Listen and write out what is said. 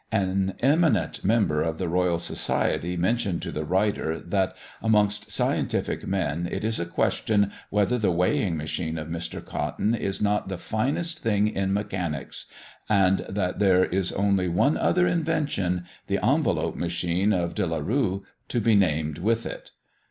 An eminent member of the Royal Society mentioned to the writer, that, amongst scientific men, it is a question whether the Weighing Machine of Mr. Cotton is not the finest thing in Mechanics; and that there is only one other invention the envelope machine of De la Rue to be named with it.